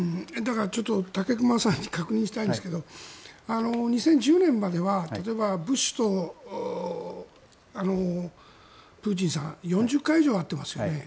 だから武隈さんに確認したいんですけど２０１０年までは例えばブッシュとプーチンさん４０回以上会ってますよね。